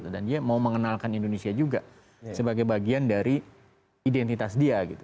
dia mau mengenalkan indonesia juga sebagai bagian dari identitas dia